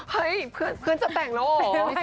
เฮ้ยเพื่อนจะแต่งแล้วเหรอ